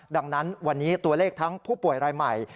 ดังนั้นวันนี้ตัวเลขทั้งผู้ป่วยรายใหม่